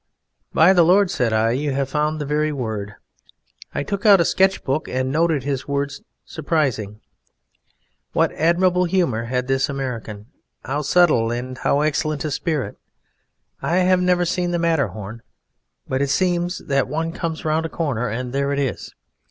"By the Lord," said I, "'you have found the very word!" I took out a sketch book and noted his word "surprising." What admirable humour had this American; how subtle and how excellent a spirit! I have never seen the Matterhorn; but it seems that one comes round a corner, and there it is.